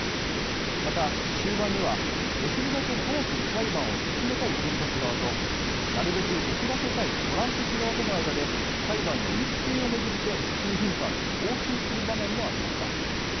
また、終盤にはできるだけ早く裁判を進めたい検察側となるべく遅らせたいトランプ氏側との間で裁判の日程を巡って数分間応酬する場面もありました。